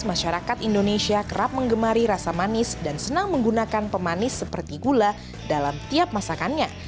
masyarakat indonesia kerap mengemari rasa manis dan senang menggunakan pemanis seperti gula dalam tiap masakannya